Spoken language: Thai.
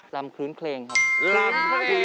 รำคื้นเครงครับ